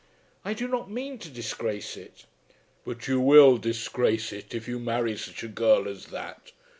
"I do not mean to disgrace it." "But you will disgrace it if you marry such a girl as that.